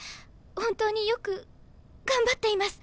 本当によく頑張っています。